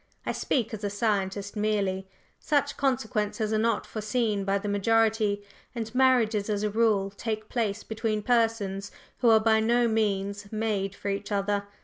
I speak as a scientist merely. Such consequences are not foreseen by the majority, and marriages as a rule take place between persons who are by no means made for each other.